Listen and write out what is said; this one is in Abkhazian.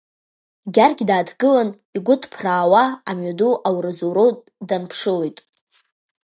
Гьаргь дааҭгылан, игәы ҭԥраауа амҩаду ауразоуроу данԥшылоит.